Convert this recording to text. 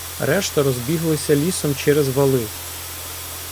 Решта розбіглися лісом через вали.